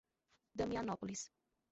Damianópolis